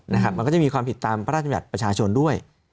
มันก็จะมีความผิดตามพระราชบัญญัติประชาชนด้วย